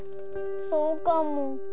そうかも。